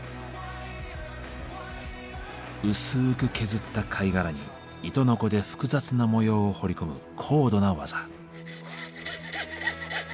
薄く削った貝殻に糸のこで複雑な模様を彫り込む高度な技。